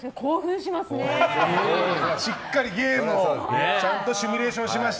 しっかりゲームをちゃんとシミュレーションしまして。